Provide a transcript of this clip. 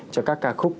cho các ca khúc